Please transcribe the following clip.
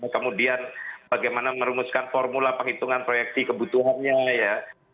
kemudian bagaimana merumuskan formula penghitungan proyeksi kebutuhannya ya